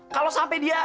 kalau sampai dia